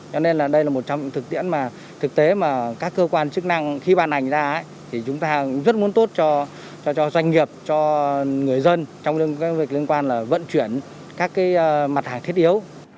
cho nên là đây là một trong những thực tiễn mà thực tế mà các cơ quan chức năng khi ban hành ra thì chúng ta rất muốn tốt cho doanh nghiệp cho người dân trong việc liên quan là vận chuyển các mặt hàng thiết yếu